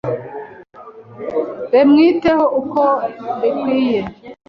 bemwiteho uko bekwiye